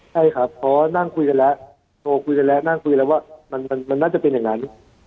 ใช่ครับเพราะนั่งคุยกันแล้วโทรคุยกันแล้วนั่งคุยแล้วว่ามันน่าจะเป็นอย่างนั้น